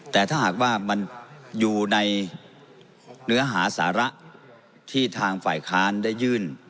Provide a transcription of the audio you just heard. แต่ถ้าหากว่ามันอยู่ในเนื้อหาสาระที่ทางฝ่ายค้านได้ยื่น